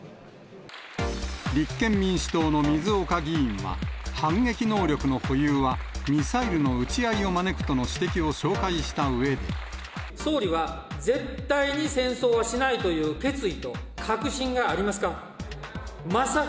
立憲民主党の水岡議員は、反撃能力の保有はミサイルの撃ち合いを招くとの指摘を紹介したう総理は絶対に戦争はしないという決意と確信がありますか。